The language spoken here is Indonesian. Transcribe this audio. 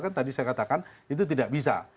kan tadi saya katakan itu tidak bisa